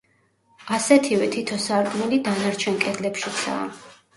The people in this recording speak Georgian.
ასეთივე თითო სარკმელი დანარჩენ კედლებშიცაა.